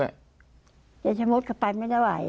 ยายชมศด้วยกับไปไม่ได้ไหว